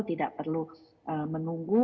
tidak perlu menunggu